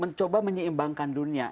mencoba menyeimbangkan dunia